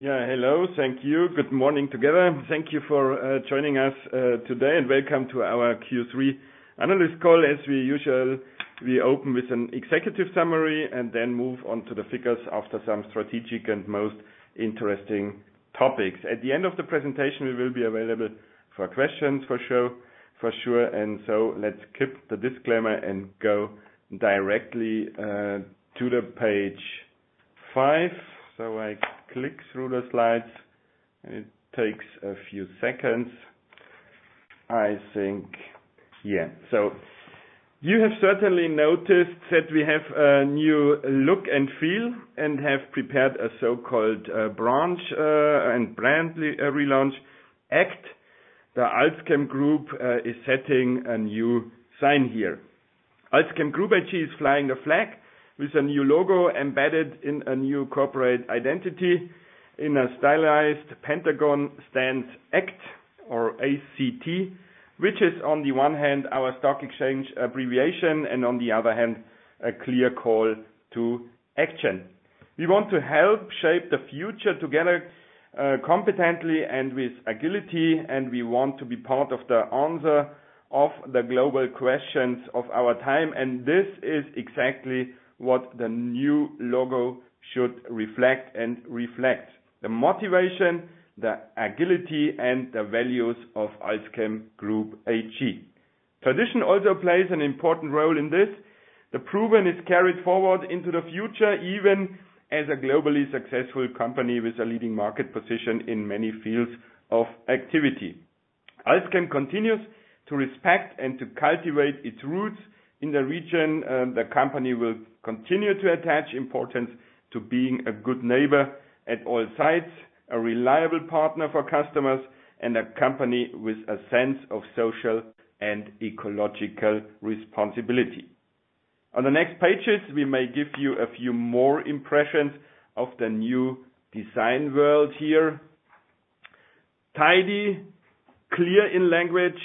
Hello. Thank you. Good morning together. Thank you for joining us today and welcome to our Q3 analyst call. As usual, we open with an executive summary and then move on to the figures after some strategic and most interesting topics. At the end of the presentation, we will be available for questions for sure. Let's skip the disclaimer and go directly to page five. I click through the slides and it takes a few seconds, I think. Yeah. You have certainly noticed that we have a new look and feel, and have prepared a so-called brand and brand relaunch ACT. The AlzChem Group is setting a new sign here. AlzChem Group AG is flying the flag with a new logo embedded in a new corporate identity. In a stylized pentagon stands ACT or A-C-T, which is on the one hand our stock exchange abbreviation and on the other hand, a clear call to action. We want to help shape the future together, competently and with agility, and we want to be part of the answer of the global questions of our time, and this is exactly what the new logo should reflect. The motivation, the agility, and the values of AlzChem Group AG. Tradition also plays an important role in this. The proven is carried forward into the future, even as a globally successful company with a leading market position in many fields of activity. Alzchem continues to respect and to cultivate its roots in the region, the company will continue to attach importance to being a good neighbor at all sites, a reliable partner for customers, and a company with a sense of social and ecological responsibility. On the next pages, we may give you a few more impressions of the new design world here. Tidy, clear in language,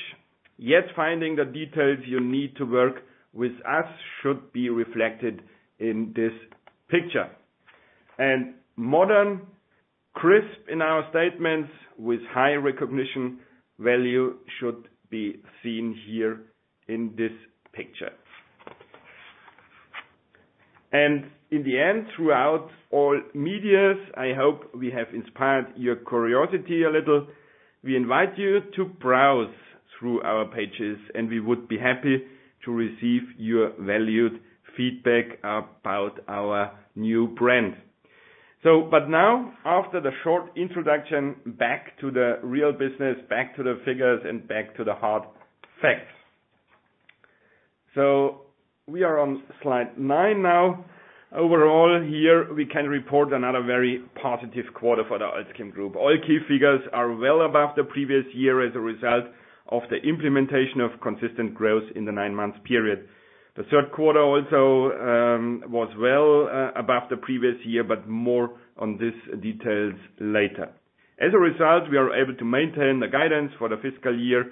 yet finding the details you need to work with us should be reflected in this picture. Modern, crisp in our statements with high recognition value should be seen here in this picture. In the end, throughout all media, I hope we have inspired your curiosity a little. We invite you to browse through our pages, and we would be happy to receive your valued feedback about our new brand. Now, after the short introduction, back to the real business, back to the figures, and back to the hard facts. We are on slide nine now. Overall, here we can report another very positive quarter for the AlzChem Group. All key figures are well above the previous year as a result of the implementation of consistent growth in the nine-month period. The third quarter also was well above the previous year, but more on these details later. As a result, we are able to maintain the guidance for the fiscal year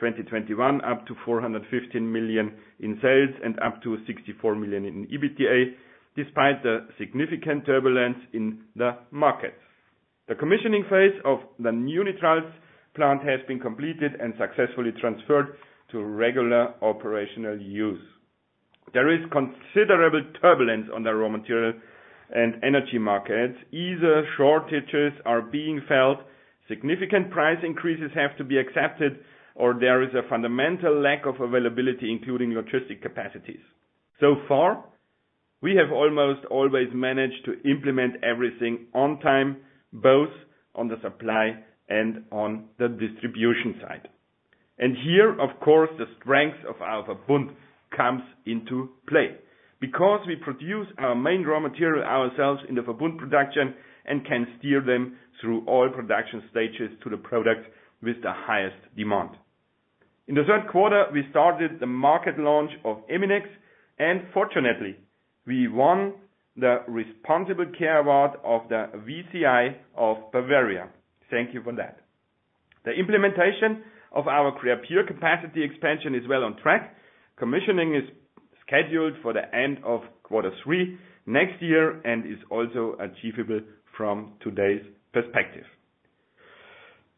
2021, up to 415 million in sales and up to 64 million in EBITDA, despite the significant turbulence in the markets. The commissioning phase of the new nitriles plant has been completed and successfully transferred to regular operational use. There is considerable turbulence on the raw material and energy markets. Either shortages are being felt, significant price increases have to be accepted, or there is a fundamental lack of availability, including logistic capacities. So far, we have almost always managed to implement everything on time, both on the supply and on the distribution side. Here, of course, the strength of our Verbund comes into play. Because we produce our main raw material ourselves in the Verbund production and can steer them through all production stages to the product with the highest demand. In the third quarter, we started the market launch of Eminex, and fortunately, we won the Responsible Care Award of the VCI of Bavaria. Thank you for that. The implementation of our Creapure capacity expansion is well on track. Commissioning is scheduled for the end of quarter three next year and is also achievable from today's perspective.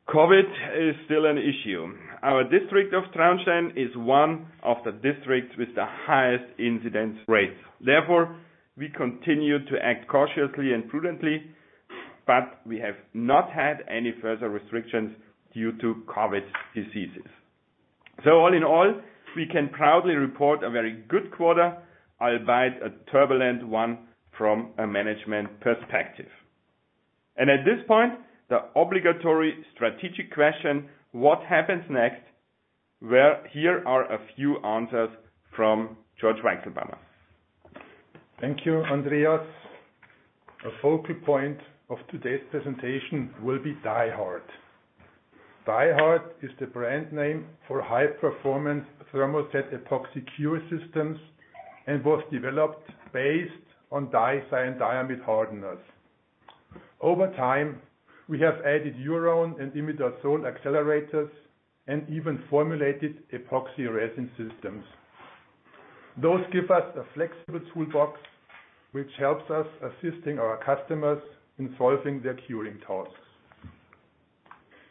COVID is still an issue. Our district of Traunstein is one of the districts with the highest incidence rates. Therefore, we continue to act cautiously and prudently, but we have not had any further restrictions due to COVID diseases. All in all, we can proudly report a very good quarter, albeit a turbulent one from a management perspective. At this point, the obligatory strategic question: What happens next? Well, here are a few answers from Georg Weichselbaumer. Thank you, Andreas. A focal point of today's presentation will be DYHARD. DYHARD is the brand name for high-performance thermoset epoxy cure systems and was developed based on dicyandiamide hardeners. Over time, we have added urone and imidazoles accelerators and even formulated epoxy resin systems. Those give us a flexible toolbox, which helps us assisting our customers in solving their curing tasks.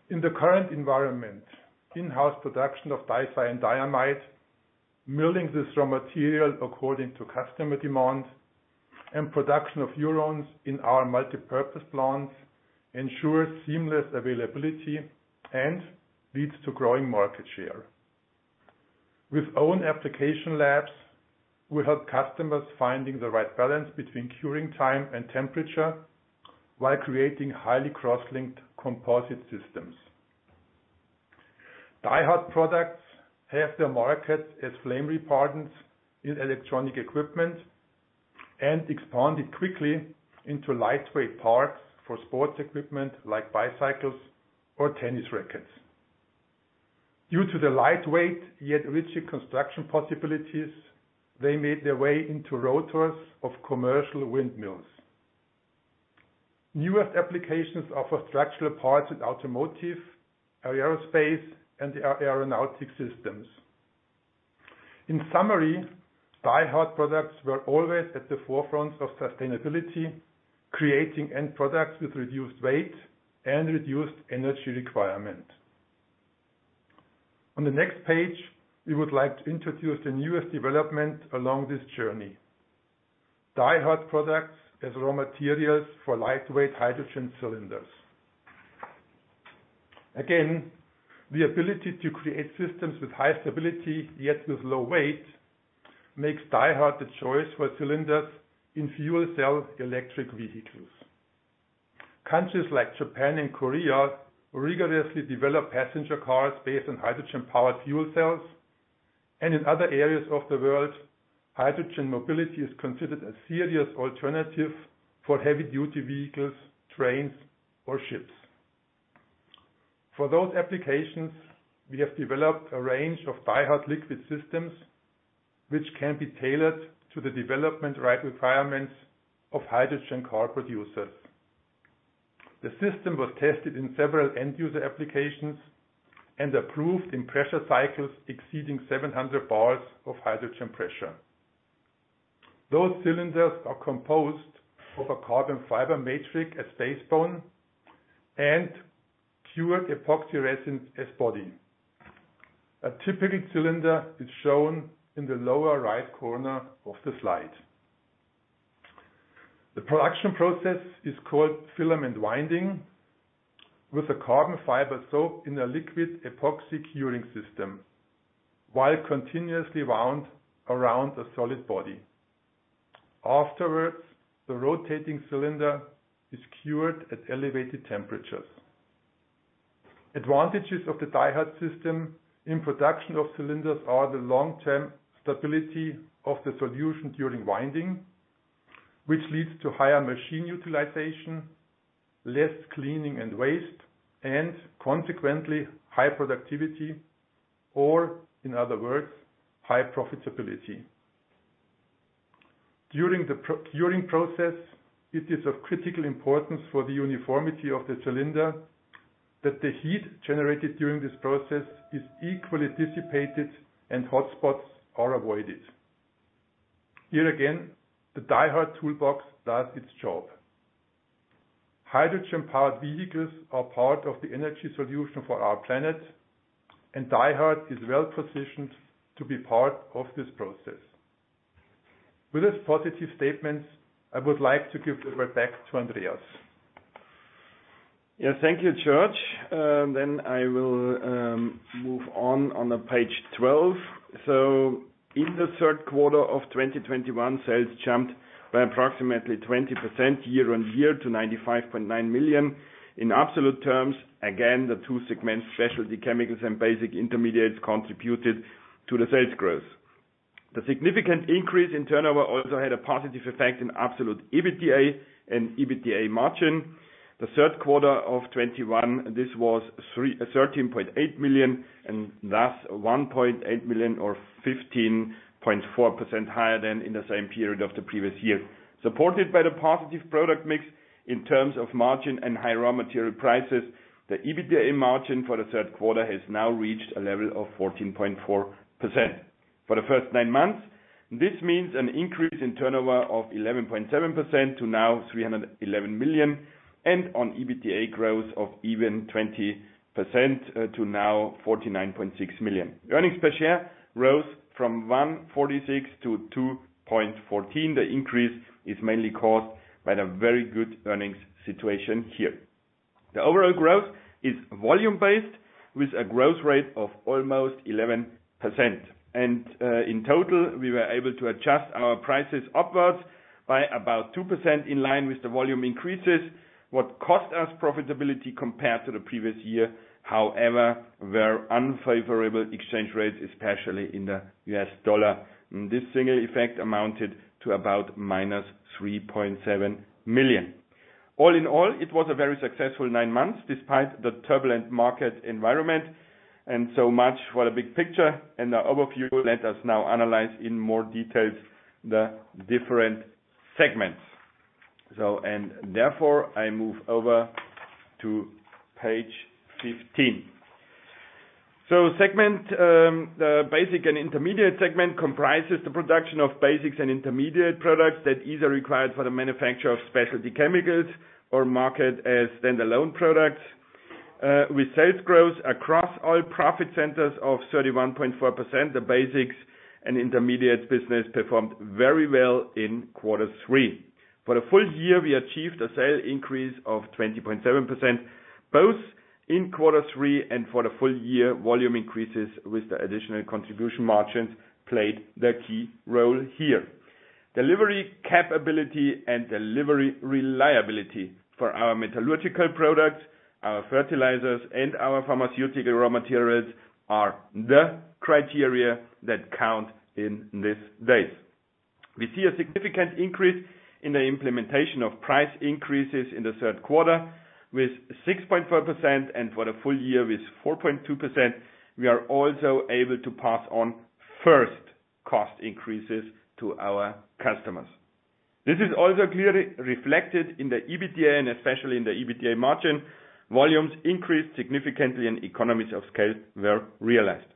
In the current environment, in-house production of dicyandiamide, milling this raw material according to customer demand, and production of urones in our multipurpose plants ensures seamless availability and leads to growing market share. With own application labs, we help customers finding the right balance between curing time and temperature, while creating highly cross-linked composite systems. DYHARD products have their markets as flame retardants in electronic equipment and expanded quickly into lightweight parts for sports equipment like bicycles or tennis rackets. Due to the lightweight yet rigid construction possibilities, they made their way into rotors of commercial windmills. Newest applications are for structural parts in automotive, aerospace, and aeronautics systems. In summary, DYHARD products were always at the forefront of sustainability, creating end products with reduced weight and reduced energy requirement. On the next page, we would like to introduce the newest development along this journey. DYHARD products as raw materials for lightweight hydrogen cylinders. Again, the ability to create systems with high stability, yet with low weight, makes DYHARD the choice for cylinders in fuel cell electric vehicles. Countries like Japan and Korea rigorously develop passenger cars based on hydrogen-powered fuel cells. In other areas of the world, hydrogen mobility is considered a serious alternative for heavy-duty vehicles, trains or ships. For those applications, we have developed a range of DYHARD liquid systems, which can be tailored to the development tight requirements of hydrogen car producers. The system was tested in several end user applications and approved in pressure cycles exceeding 700 bars of hydrogen pressure. Those cylinders are composed of a carbon fiber matrix as backbone and cured epoxy resin as body. A typical cylinder is shown in the lower right corner of the slide. The production process is called filament winding, with a carbon fiber soaked in a liquid epoxy curing system, while continuously wound around a solid body. Afterwards, the rotating cylinder is cured at elevated temperatures. Advantages of the DYHARD system in production of cylinders are the long-term stability of the solution during winding, which leads to higher machine utilization, less cleaning and waste, and consequently, high productivity, or in other words, high profitability. During the curing process, it is of critical importance for the uniformity of the cylinder that the heat generated during this process is equally dissipated and hotspots are avoided. Here again, the DYHARD toolbox does its job. Hydrogen-powered vehicles are part of the energy solution for our planet, and DYHARD is well-positioned to be part of this process. With this positive statements, I would like to give the word back to Andreas. Thank you, Georg Weichselbaumer. Then I will move on to page 12. In the third quarter of 2021, sales jumped by approximately 20% year-on-year to 95.9 million. In absolute terms, again, the two segments, specialty chemicals and basic intermediates, contributed to the sales growth. The significant increase in turnover also had a positive effect on absolute EBITDA and EBITDA margin. The third quarter of 2021, this was 13.8 million, and thus 1.8 million or 15.4% higher than in the same period of the previous year. Supported by the positive product mix in terms of margin and high raw material prices, the EBITDA margin for the third quarter has now reached a level of 14.4%. For the first nine months, this means an increase in turnover of 11.7% to 311 million, and an EBITDA growth of even 20% to 49.6 million. Earnings per share rose from 1.46 to 2.14. The increase is mainly caused by the very good earnings situation here. The overall growth is volume-based with a growth rate of almost 11%. In total, we were able to adjust our prices upwards by about 2% in line with the volume increases. What cost us profitability compared to the previous year, however, were unfavorable exchange rates, especially in the U.S. dollar. This single effect amounted to about -3.7 million. All in all, it was a very successful nine months despite the turbulent market environment and so much for the big picture and the overview. Let us now analyze in more detail the different segments. I move over to page 15. The Basics and Intermediates segment comprises the production of basics and intermediate products that are either required for the manufacture of specialty chemicals or marketed as standalone products. With sales growth across all profit centers of 31.4%, the Basics and Intermediates business performed very well in quarter three. For the full year, we achieved a sales increase of 20.7%, both in quarter three and for the full year, volume increases with the additional contribution margins played the key role here. Delivery capability and delivery reliability for our metallurgical products, our fertilizers, and our pharmaceutical raw materials are the criteria that count in these days. We see a significant increase in the implementation of price increases in the third quarter with 6.4%, and for the full year with 4.2%, we are also able to pass on first cost increases to our customers. This is also clearly reflected in the EBITDA, and especially in the EBITDA margin. Volumes increased significantly and economies of scale were realized.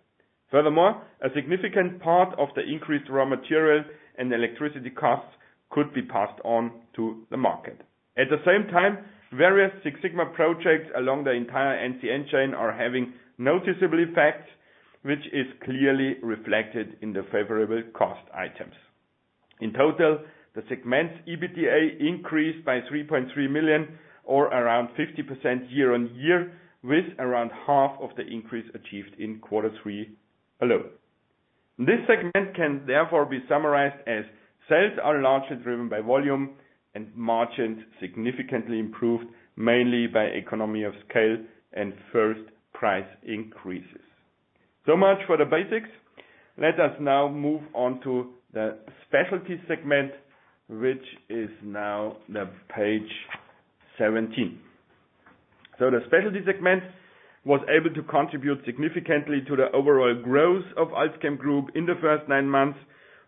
Furthermore, a significant part of the increased raw materials and electricity costs could be passed on to the market. At the same time, various Six Sigma projects along the entire NCN chain are having noticeable effects, which is clearly reflected in the favorable cost items. In total, the segment's EBITDA increased by 3.3 million or around 50% year-on-year with around half of the increase achieved in quarter three alone. This segment can therefore be summarized as sales are largely driven by volume and margins significantly improved mainly by economy of scale and first price increases. Much for the basics. Let us now move on to the specialty segment, which is now the page 17. The specialty segment was able to contribute significantly to the overall growth of AlzChem Group in the first nine months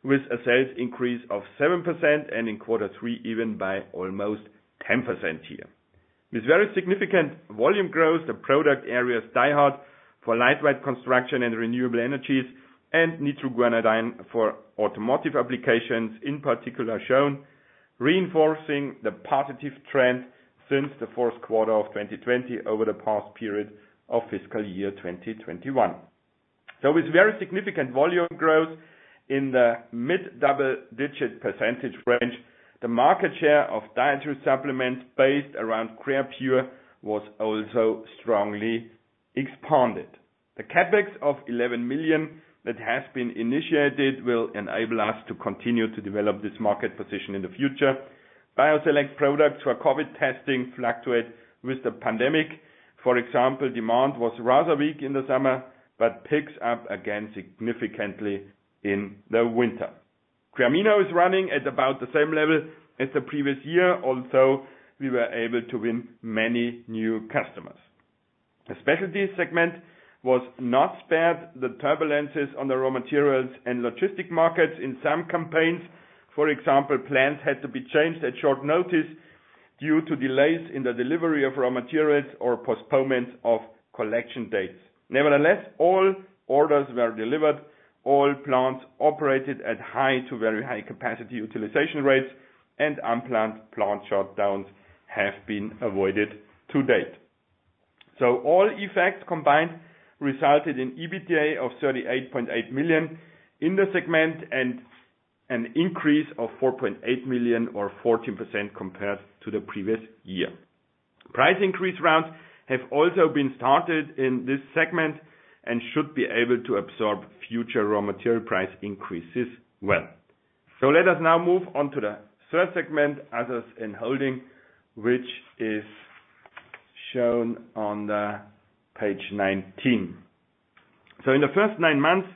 with a sales increase of 7% and in quarter three, even by almost 10% here. With very significant volume growth, the product areas DYHARD for lightweight construction and renewable energies and nitroguanidine for automotive applications, in particular shown, reinforcing the positive trend since the fourth quarter of 2020 over the past period of fiscal year 2021. With very significant volume growth in the mid-double-digit % range, the market share of dietary supplements based around Creapure was also strongly expanded. The CapEx of 11 million that has been initiated will enable us to continue to develop this market position in the future. Bioselect products for COVID testing fluctuate with the pandemic. For example, demand was rather weak in the summer, but picks up again significantly in the winter. Creamino is running at about the same level as the previous year, although we were able to win many new customers. The specialty segment was not spared the turbulences on the raw materials and logistic markets in some campaigns. For example, plans had to be changed at short notice due to delays in the delivery of raw materials or postponements of collection dates. Nevertheless, all orders were delivered, all plants operated at high to very high capacity utilization rates, and unplanned plant shutdowns have been avoided to date. All effects combined resulted in EBITDA of 38.8 million in the segment and an increase of 4.8 million or 14% compared to the previous year. Price increase rounds have also been started in this segment and should be able to absorb future raw material price increases well. Let us now move on to the third segment, Others in Holding, which is shown on page 19. In the first nine months,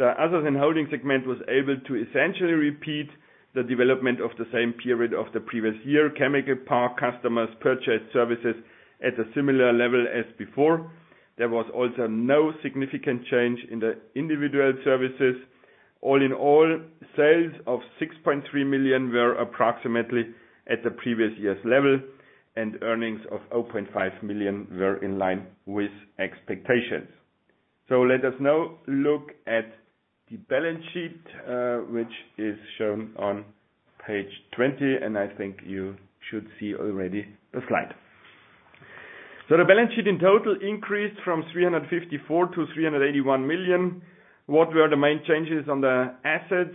the Other Services & Holding segment was able to essentially repeat the development of the same period of the previous year. Chemical park customers purchased services at a similar level as before. There was also no significant change in the individual services. All in all, sales of 6.3 million were approximately at the previous year's level and earnings of 0.5 million were in line with expectations. Let us now look at the balance sheet, which is shown on page 20, and I think you should see already the slide. The balance sheet in total increased from 354 million to 381 million. What were the main changes on the assets?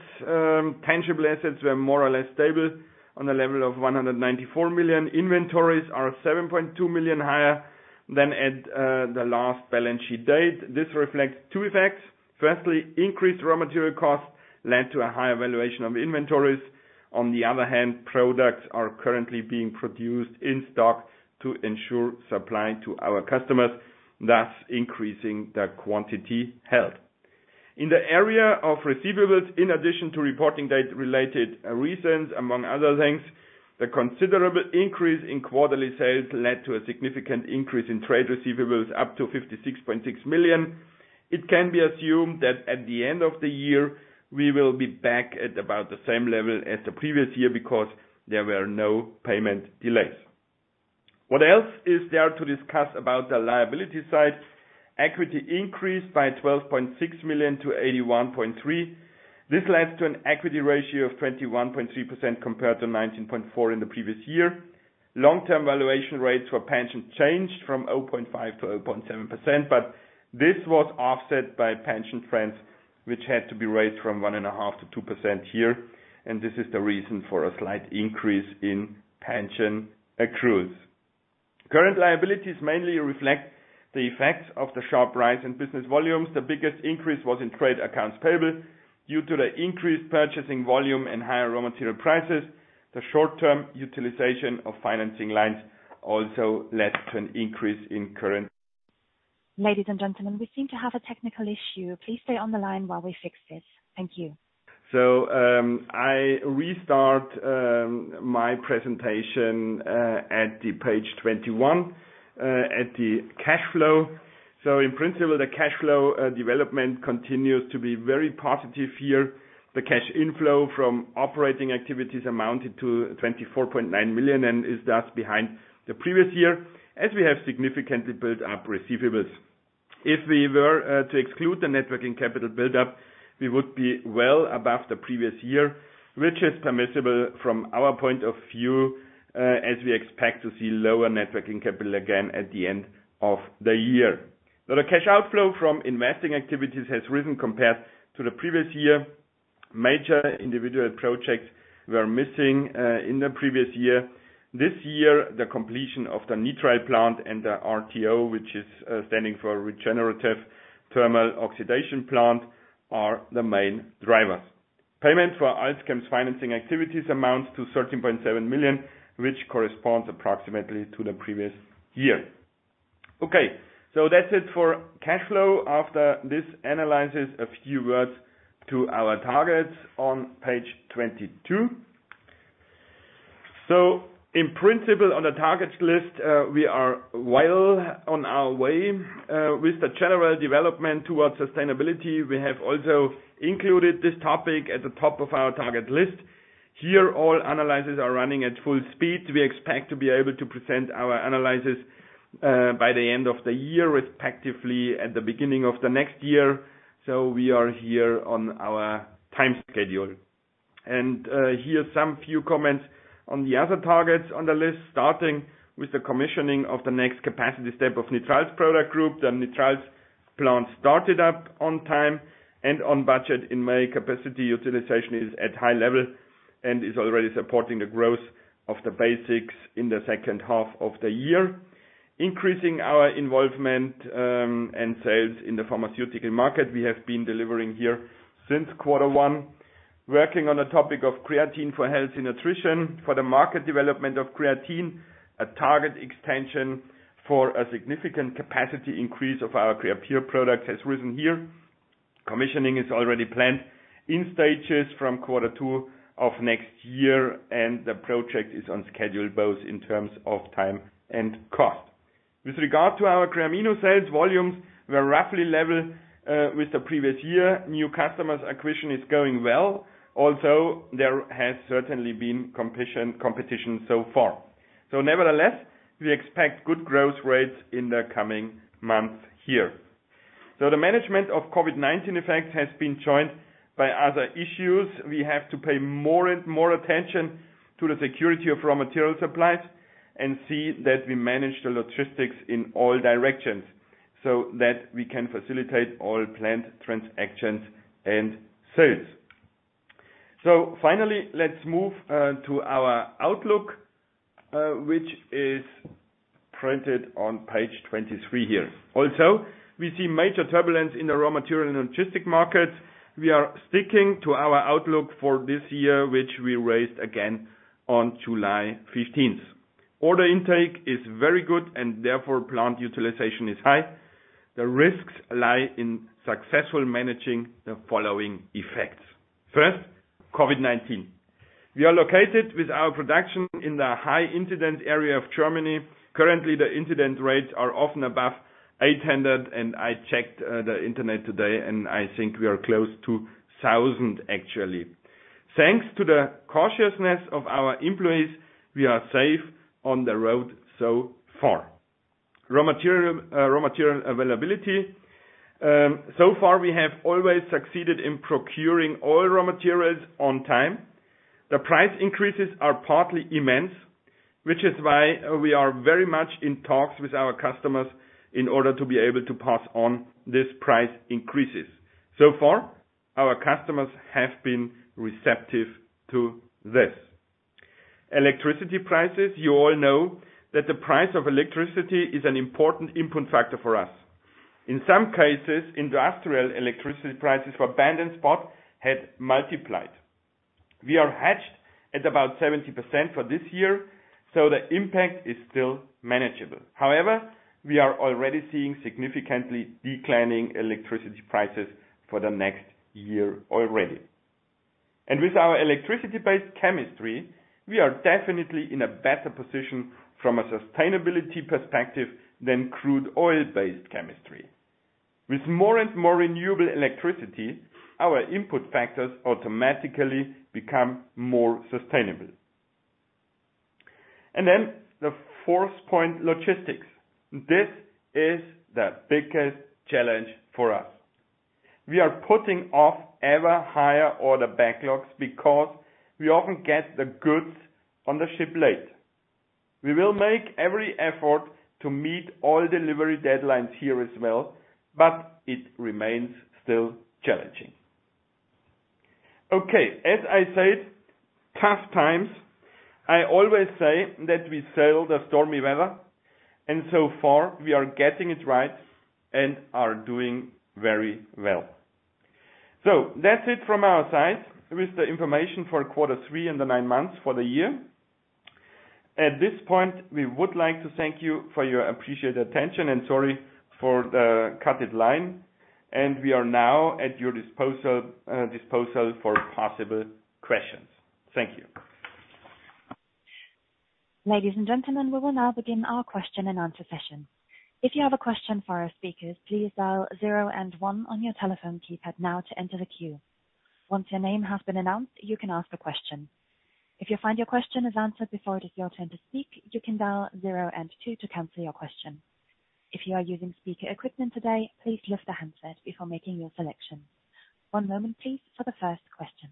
Tangible assets were more or less stable on the level of 194 million. Inventories are 7.2 million higher than at the last balance sheet date. This reflects two effects. Firstly, increased raw material costs led to a higher valuation of inventories. On the other hand, products are currently being produced in stock to ensure supply to our customers, thus increasing the quantity held. In the area of receivables, in addition to reporting date related reasons, among other things, the considerable increase in quarterly sales led to a significant increase in trade receivables up to 56.6 million. It can be assumed that at the end of the year, we will be back at about the same level as the previous year because there were no payment delays. What else is there to discuss about the liability side? Equity increased by 12.6 million to 81.3 million. This leads to an equity ratio of 21.3% compared to 19.4% in the previous year. Long-term valuation rates for pension changed from 0.5% to 0.7%, but this was offset by pension trends, which had to be raised from 1.5% to 2% here, and this is the reason for a slight increase in pension accruals. Current liabilities mainly reflect the effects of the sharp rise in business volumes. The biggest increase was in trade accounts payable due to the increased purchasing volume and higher raw material prices. The short-term utilization of financing lines also led to an increase in current- Ladies and gentlemen, we seem to have a technical issue. Please stay on the line while we fix this. Thank you. I restart my presentation at page 21 at the cash flow. In principle, the cash flow development continues to be very positive here. The cash inflow from operating activities amounted to 24.9 million and is thus behind the previous year, as we have significantly built up receivables. If we were to exclude the net working capital buildup, we would be well above the previous year, which is permissible from our point of view, as we expect to see lower net working capital again at the end of the year. Now, the cash outflow from investing activities has risen compared to the previous year. Major individual projects were missing in the previous year. This year, the completion of the nitrile plant and the RTO, which is standing for Regenerative Thermal Oxidation plant, are the main drivers. Payment for AlzChem's financing activities amounts to 13.7 million, which corresponds approximately to the previous year. Okay, that's it for cash flow. After this analysis, a few words to our targets on page 22. In principle, on the targets list, we are well on our way, with the general development towards sustainability. We have also included this topic at the top of our target list. Here, all analyses are running at full speed. We expect to be able to present our analyses, by the end of the year, respectively at the beginning of the next year. We are here on our time schedule. Here's some few comments on the other targets on the list, starting with the commissioning of the next capacity step of Nitriles product group. The Nitriles plant started up on time and on budget. In May, capacity utilization is at high level and is already supporting the growth of the basics in the second half of the year. Increasing our involvement and sales in the pharmaceutical market, we have been delivering here since quarter one. Working on the topic of creatine for health and nutrition. For the market development of creatine, a target extension for a significant capacity increase of our Creapure product has risen here. Commissioning is already planned in stages from quarter two of next year, and the project is on schedule both in terms of time and cost. With regard to our Creamino sales, volumes were roughly level with the previous year. New customers acquisition is going well, although there has certainly been competition so far. Nevertheless, we expect good growth rates in the coming months here. The management of COVID-19 effects has been joined by other issues. We have to pay more and more attention to the security of raw material supplies and see that we manage the logistics in all directions so that we can facilitate all planned transactions and sales. Finally, let's move to our outlook, which is printed on page 23 here. Also, we see major turbulence in the raw material and logistic markets. We are sticking to our outlook for this year, which we raised again on July 15. Order intake is very good and therefore, plant utilization is high. The risks lie in successfully managing the following effects. First, COVID-19. We are located with our production in the high-incidence area of Germany. Currently, the incidence rates are often above 800, and I checked the internet today, and I think we are close to 1,000 actually. Thanks to the cautiousness of our employees, we are safe on the road so far. Raw material availability. So far we have always succeeded in procuring all raw materials on time. The price increases are partly immense, which is why we are very much in talks with our customers in order to be able to pass on these price increases. So far, our customers have been receptive to this. Electricity prices. You all know that the price of electricity is an important input factor for us. In some cases, industrial electricity prices for base and spot had multiplied. We are hedged at about 70% for this year, so the impact is still manageable. However, we are already seeing significantly declining electricity prices for the next year already. With our electricity-based chemistry, we are definitely in a better position from a sustainability perspective than crude oil-based chemistry. With more and more renewable electricity, our input factors automatically become more sustainable. Then the fourth point, logistics. This is the biggest challenge for us. We are putting off ever higher order backlogs because we often get the goods on the ship late. We will make every effort to meet all delivery deadlines here as well, but it remains still challenging. Okay, as I said, tough times, I always say that we sail the stormy weather, and so far, we are getting it right and are doing very well. That's it from our side with the information for quarter three and the nine months for the year. At this point, we would like to thank you for your appreciated attention and sorry for the cut line. We are now at your disposal for possible questions. Thank you. Ladies and gentlemen, we will now begin our question-and-answer session. If you have a question for our speakers, please dial zero and one on your telephone keypad now to enter the queue. Once your name has been announced, you can ask a question. If you find your question is answered before it is your turn to speak, you can dial zero and two to cancel your question. If you are using speaker equipment today, please lift the handset before making your selection. One moment, please, for the first question.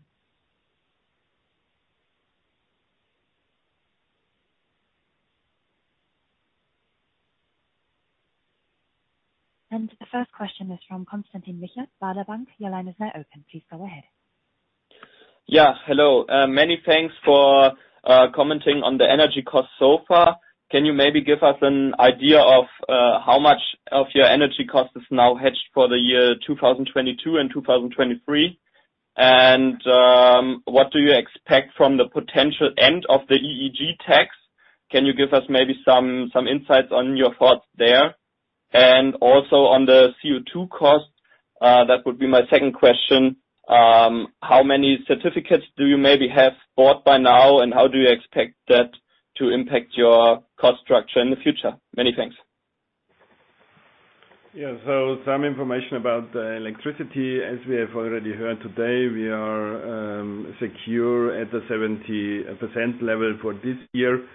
The first question is from Konstantin Wiechert, Baader Bank. Your line is now open. Please go ahead. Yeah, hello. Many thanks for commenting on the energy cost so far. Can you maybe give us an idea of how much of your energy cost is now hedged for the year 2022 and 2023? What do you expect from the potential end of the EEG tax? Can you give us maybe some insights on your thoughts there? Also on the CO₂ costs, that would be my second question. How many certificates do you maybe have bought by now, and how do you expect that to impact your cost structure in the future? Many thanks. Yeah. Some information about the electricity. As we have already heard today, we are secure at the 70% level for this year.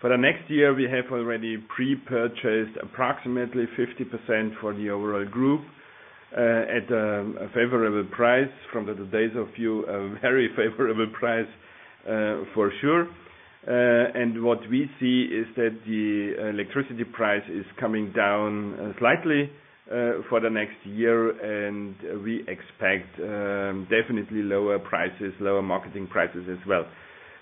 For the next year, we have already pre-purchased approximately 50% for the overall group at a favorable price. From today's point of view, a very favorable price, for sure. What we see is that the electricity price is coming down slightly for the next year. We expect definitely lower prices, lower marketing prices as well.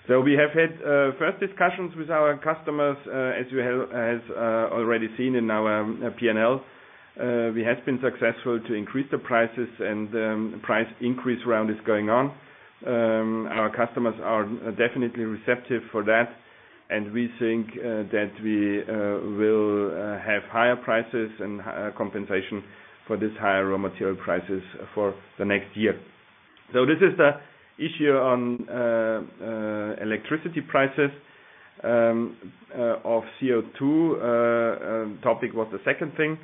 We have had first discussions with our customers as we have already seen in our P&L. We have been successful to increase the prices and price increase round is going on. Our customers are definitely receptive for that, and we think that we will have higher prices and compensation for this higher raw material prices for the next year. This is the issue on electricity prices, the CO₂ topic was the second thing.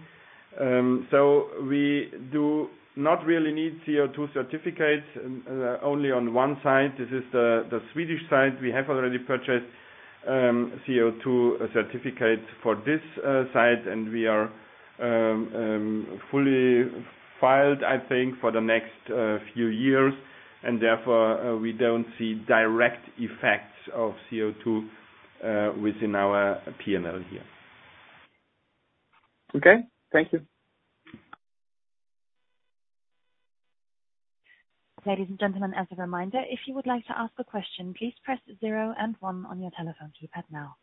We do not really need CO₂ certificates, only on one site. This is the Swedish site. We have already purchased CO₂ certificates for this site, and we are fully filed, I think, for the next few years and therefore we don't see direct effects of CO₂ within our P&L here. Okay. Thank you. Ladies and gentlemen, as a reminder, if you would like to ask a question, please press zero and one on your telephone keypad now.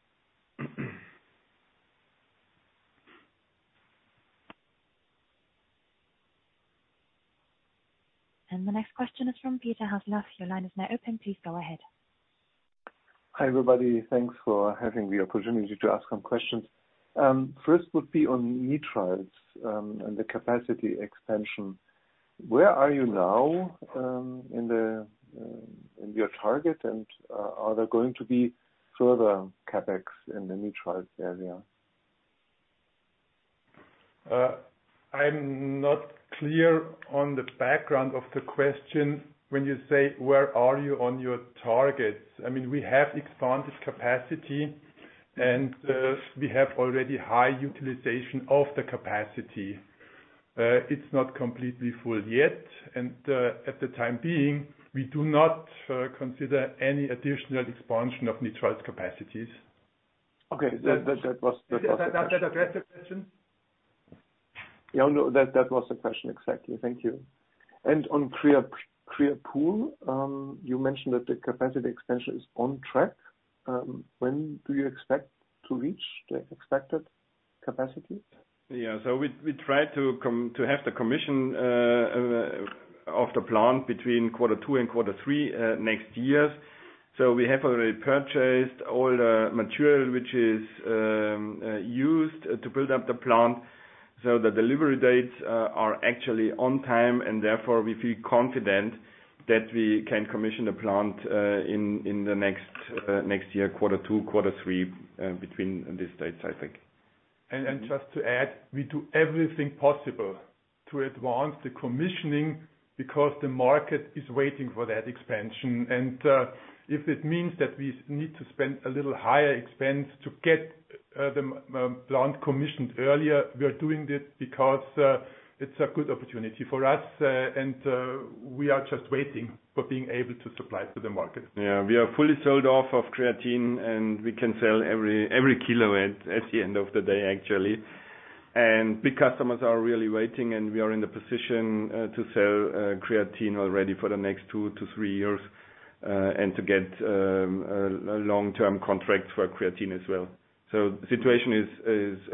The next question is from Peter-Thilo Hasler. Your line is now open. Please go ahead. Hi, everybody. Thanks for having the opportunity to ask some questions. First would be on nitriles and the capacity expansion. Where are you now in your target? Are there going to be further CapEx in the nitriles area? I'm not clear on the background of the question when you say, "Where are you on your targets?" I mean, we have expanded capacity, and we have already high utilization of the capacity. It's not completely full yet, and at the time being, we do not consider any additional expansion of nitriles capacities. Okay. That was the question. Does that address the question? Yeah, no. That was the question exactly. Thank you. On Creapure, you mentioned that the capacity expansion is on track. When do you expect to reach the expected capacity? Yeah. We try to have the commission of the plant between quarter two and quarter three next year. We have already purchased all the material which is used to build up the plant. The delivery dates are actually on time, and therefore we feel confident that we can commission the plant in the next year, quarter two, quarter three, between these dates, I think. Just to add, we do everything possible to advance the commissioning because the market is waiting for that expansion. If it means that we need to spend a little higher expense to get the plant commissioned earlier, we are doing it because it's a good opportunity for us, and we are just waiting for being able to supply to the market. Yeah. We are fully sold off of creatine, and we can sell every kilo at the end of the day, actually. Big customers are really waiting, and we are in the position to sell creatine already for the next two to three years, and to get a long-term contract for creatine as well. The situation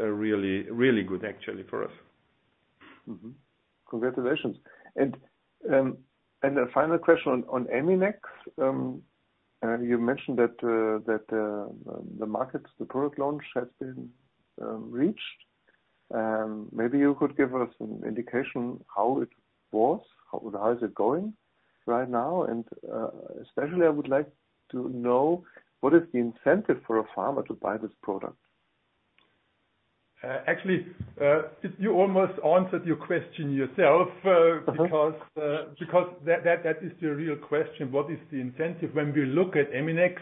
is really good actually for us. Congratulations. A final question on Eminex. You mentioned that the market, the product launch has been reached. Maybe you could give us an indication how is it going right now? Especially I would like to know what is the incentive for a farmer to buy this product? Actually, you almost answered your question yourself. Mm-hmm Because that is the real question, what is the incentive? When we look at Eminex,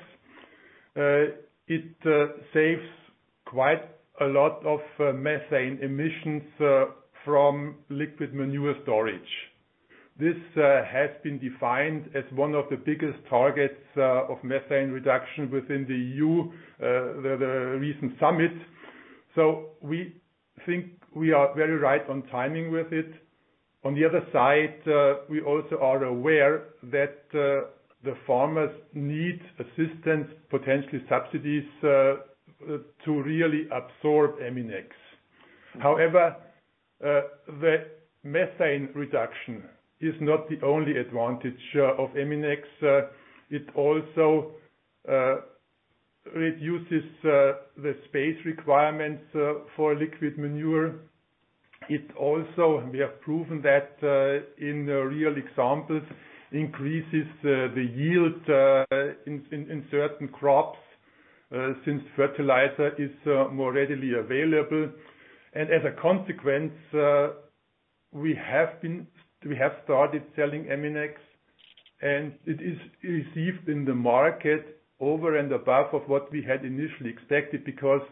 it saves quite a lot of methane emissions from liquid manure storage. This has been defined as one of the biggest targets of methane reduction within the EU, the recent summit. We think we are very right on timing with it. On the other side, we also are aware that the farmers need assistance, potentially subsidies, to really absorb Eminex. However, the methane reduction is not the only advantage of Eminex. It also reduces the space requirements for liquid manure. It also, and we have proven that, in the real examples, increases the yield in certain crops since fertilizer is more readily available. As a consequence, we have started selling Eminex and it is received in the market over and above of what we had initially expected because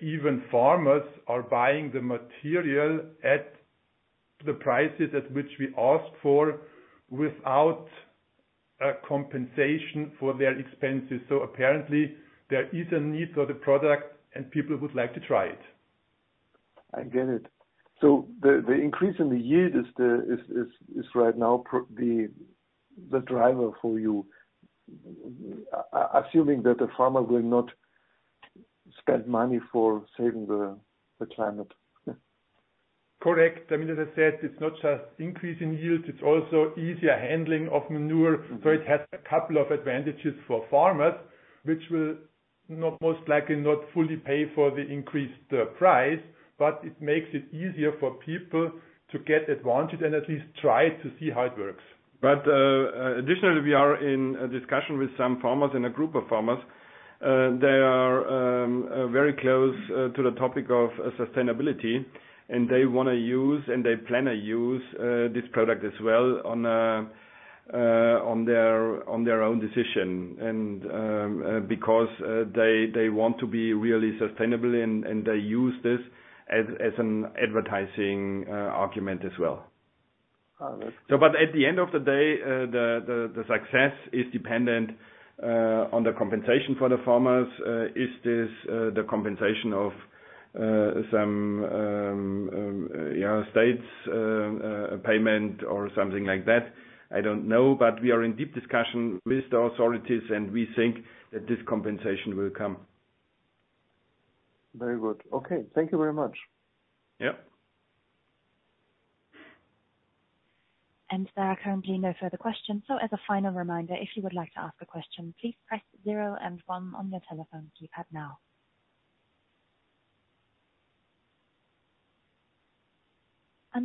even farmers are buying the material at the prices at which we asked for without a compensation for their expenses. Apparently there is a need for the product and people would like to try it. I get it. The increase in the yield is right now the driver for you, assuming that the farmer will not spend money for saving the climate. Yeah. Correct. I mean, as I said, it's not just increase in yield, it's also easier handling of manure. Mm-hmm. It has a couple of advantages for farmers, which will most likely not fully pay for the increased price, but it makes it easier for people to get advantage and at least try to see how it works. Additionally, we are in a discussion with some farmers and a group of farmers. They are very close to the topic of sustainability and they wanna use and they plan to use this product as well on their own decision and because they want to be really sustainable and they use this as an advertising argument as well. Oh, good. At the end of the day, the success is dependent on the compensation for the farmers. Is this the compensation of some states' payment or something like that? I don't know. We are in deep discussion with the authorities, and we think that this compensation will come. Very good. Okay. Thank you very much. Yeah. There are currently no further questions. As a final reminder, if you would like to ask a question, please press zero and one on your telephone keypad now.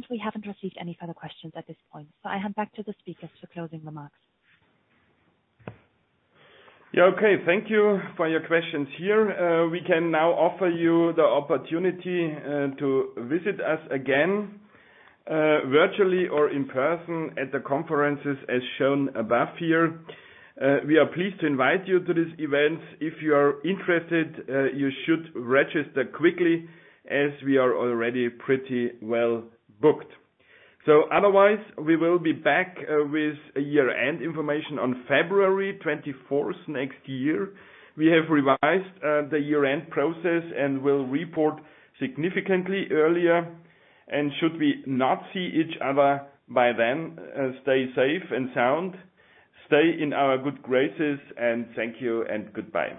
We haven't received any further questions at this point, so I hand back to the speakers for closing remarks. Yeah. Okay. Thank you for your questions here. We can now offer you the opportunity to visit us again virtually or in person at the conferences as shown above here. We are pleased to invite you to this event. If you are interested, you should register quickly as we are already pretty well booked. Otherwise, we will be back with a year-end information on February twenty-fourth next year. We have revised the year-end process and will report significantly earlier. Should we not see each other by then, stay safe and sound, stay in our good graces, and thank you and goodbye.